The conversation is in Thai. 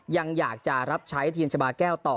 ยังอยากจะรับใช้ทีมชาบาแก้วต่อ